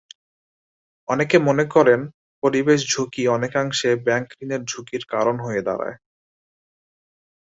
অনেকে মনে করেন, পরিবেশ ঝুঁকি অনেকাংশে ব্যাংক ঋণের ঝুঁকির কারণ হয়ে দাঁড়ায়।